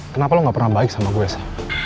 kenapa lo gak pernah baik sama gue sih